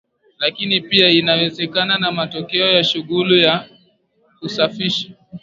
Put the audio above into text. lakini pia inawezekana na matokeo ya shughuli ya kusafisha